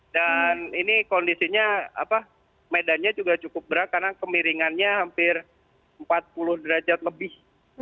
dan ini kondisinya medannya juga cukup berat karena kemiringannya hampir empat puluh derajat lebih